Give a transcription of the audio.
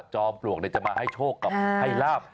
จอมปลวกจะมาให้โชคให้ลาบ